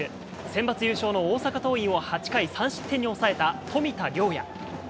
センバツ優勝の大阪桐蔭を８回３失点に抑えた冨田遼弥。